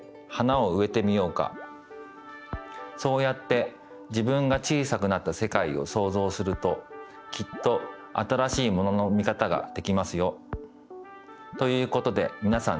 そうやって自分が小さくなったせかいをそうぞうするときっと新しいものの見方ができますよ。ということでみなさん